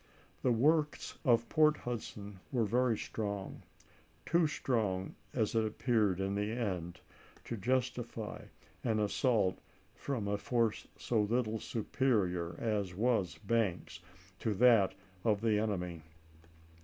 The works of Port Hudson were very strong; too strong, as it ap peared in the end, to justify an assault from a force so little superior, as was Banks's, to that of the enemy.